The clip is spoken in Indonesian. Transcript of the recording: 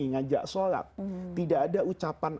ngajak sholat tidak ada ucapan